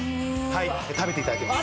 はい食べていただけます。